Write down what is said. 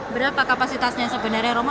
berapa kapasitasnya sebenarnya romo